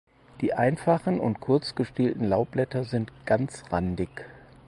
Die einfachen und kurz gestielten Laubblätter sind ganzrandig.